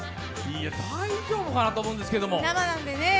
大丈夫かなと思うんですけど。